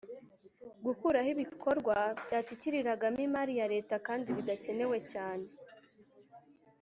gukuraho ibikorwa byatikiriragamo imari ya Leta kandi bidakenewe cyane